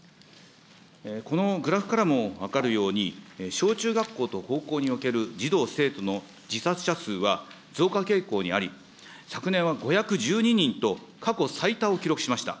このグラフからも分かるように、小中学校と高校における児童・生徒の自殺者数は増加傾向にあり、昨年は５１２人と過去最多を記録しました。